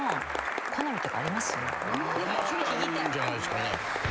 それあるんじゃないですかね？